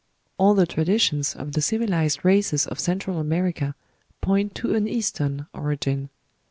All the traditions of the civilized races of Central America point to an Eastern origin.